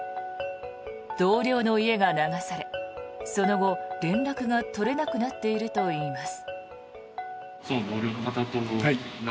同僚の家が流されその後、連絡が取れなくなっているといいます。